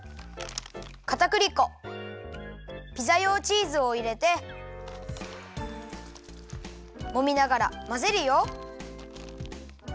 かたくり粉ピザ用チーズをいれてもみながらまぜるよ。